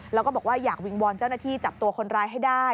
แล้วก็บอกว่าอยากวิงวอนเจ้าหน้าที่จับตัวคนร้ายให้ได้